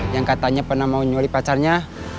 yang katanya pernah mau nyuri pacarnya